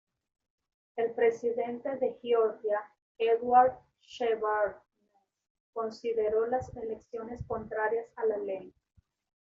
El presidente de Georgia Eduard Shevardnadze consideró las elecciones contrarias a la ley.